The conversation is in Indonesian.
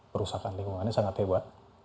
perusahaan lingkungannya sangat hebat